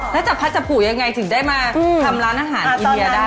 แล้วจับพัดจับปู่ยังไงถึงได้มาทำร้านอาหารอินเดียได้